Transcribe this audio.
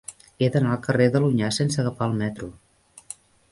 He d'anar al carrer de l'Onyar sense agafar el metro.